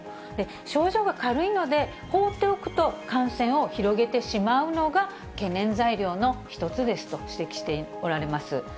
症状が軽いので、放っておくと、感染を広げてしまうのが、懸念材料の一つですと指摘しておられます。